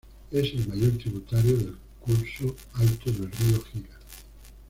Es el mayor tributario del curso alto del río Gila.